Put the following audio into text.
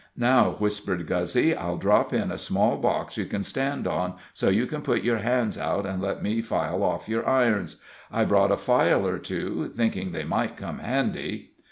"Now," whispered Guzzy, "I'll drop in a small box you can stand on, so you can put your hands out and let me file off your irons. I brought a file or two, thinking they might come handy."